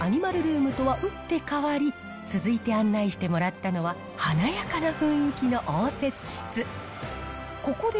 ヒョウ柄尽くしのアニマルルームとは打って変わり、続いて案内してもらったのは、華やかな雰囲気の応接室。